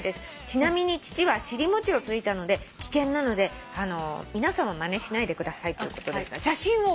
「ちなみに父は尻もちをついたので危険なので皆さんはまねしないでください」ということですが写真を。